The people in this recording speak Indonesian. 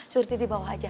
sorti di bawah aja